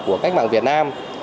của cách mạng việt nam